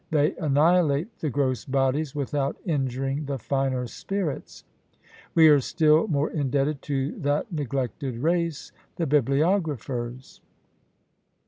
they annihilate the gross bodies without injuring the finer spirits. We are still more indebted to that neglected race, the bibliographers!